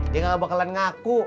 dia gak bakalan ngaku